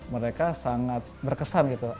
mereka sangat berkesan gitu